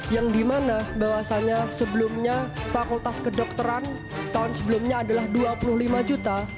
yang dimana bahwasannya sebelumnya fakultas kedokteran tahun sebelumnya adalah dua puluh lima juta